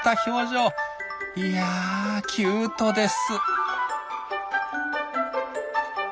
はいキュートです。